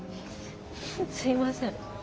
すいません。